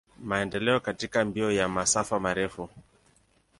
Maendeleo katika mbio ya masafa marefu.